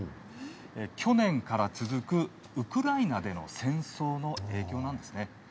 去年から続くウクライナでの戦争の影響なんですね。